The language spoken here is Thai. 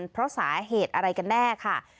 เพราะสาเหตุอะไรกันแน่ค่ะ